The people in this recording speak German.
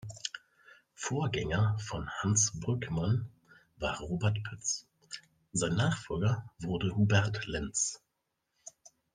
Vorgänger von Hans Brückmann war Robert Pütz, sein Nachfolger wurde Hubert Lentz.